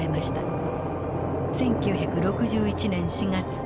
１９６１年４月。